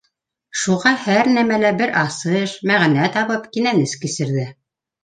Шуға һәр нәмәлә бер асыш, мәғәнә табып, кинәнес кисерҙе